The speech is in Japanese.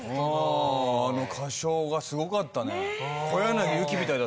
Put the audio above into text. あの歌唱がすごかったね